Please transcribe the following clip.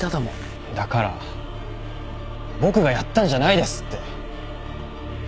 だから僕がやったんじゃないですって。